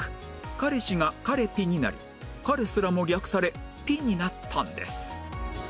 彼氏が彼ピになり彼すらも略され「ピ」になったんです